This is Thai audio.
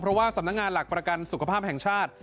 เพราะว่าสำนักงานหลักประกันสุขภาพแห่งชาติ